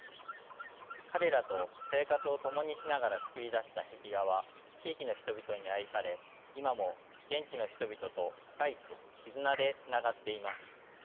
彼らと生活を共にしながら作り出した壁画は地域の人々に愛され今も現地の人々と深い絆でつながっています。